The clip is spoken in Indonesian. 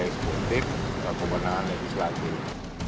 sebuah konteks kepentingan atau kewenangan yang diselanjutnya